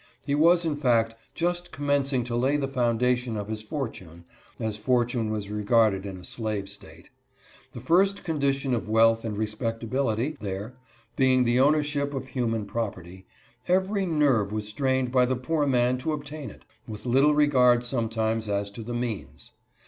He was, in fact, just commencing to lay the foundation of his fortune, as fortune was regarded in a slave state. The first condition of wealth and respecta bility there being the ownership of human property, every nerve was strained by the poor man to obtain it, with little regard sometimes as to the means.